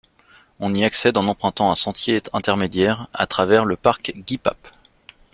On y accède en empruntant un sentier intermédiaire à travers le parc Guy-Pape.